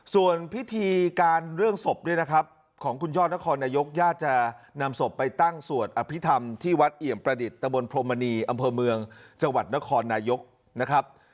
ส่วนพิธีการเรื่องศพด้วยนะครับของคุณยอดนครนายกญาติจะนำศพไปตั้งสวดอภิษฐรรมที่วัดเอี่ยมประดิษฐ์ตะบนพรมมณีอำเภอเมืองจังหวัดนครนายกนะครับ